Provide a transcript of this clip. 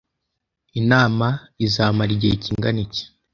Inama izamara igihe kingana iki?